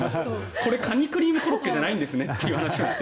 これ、カニクリームコロッケじゃないんですねって。